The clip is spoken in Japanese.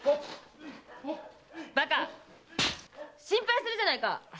心配するじゃないか！